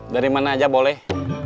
dari mana aja boleh